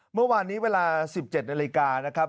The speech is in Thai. เมื่อวานนี้เวลา๑๗นาฬิกานะครับ